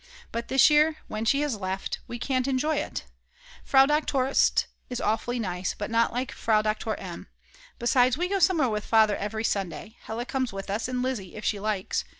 But this year, when she has left, we can't enjoy it. Frau Doktor St. is awfully nice, but not like Frau Doktor M. Besides, we go somewhere with Father every Sunday, Hella comes with us, and Lizzi if she likes.